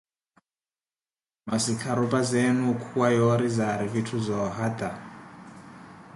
Masi kharupazeeni ocuwa yoori zaari vitthu zoohata.